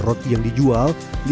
roti yang dijual lima ratus